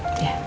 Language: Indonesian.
gak ada siapa